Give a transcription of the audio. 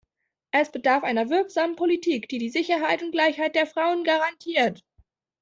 Es bedarf einer wirksamen Politik, die die Sicherheit und Gleichheit der Frauen garantiert.